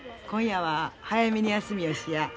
今夜は早めに休みよしや。